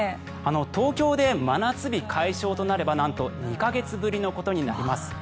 東京で真夏日解消となればなんと２か月ぶりのことになります。